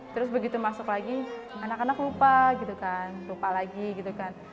terus begitu masuk lagi anak anak lupa gitu kan lupa lagi gitu kan